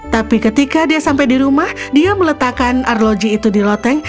tapi ketika dia sampai di rumah dia meletakkan arloji itu di loteng